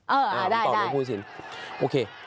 เออได้คุณตอบในฟู้สินโอเค